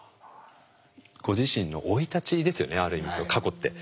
ご自身の生い立ちですよねある意味過去って。